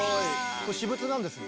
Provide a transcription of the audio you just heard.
これ私物なんですね。